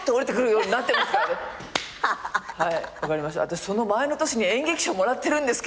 私その前の年に演劇賞もらってるんですけど。